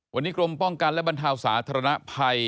วันนี้กรมป้องกันและบรรเทาสาธารณภัย